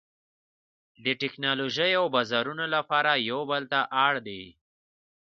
د ټکنالوژۍ او بازارونو لپاره یو بل ته اړ دي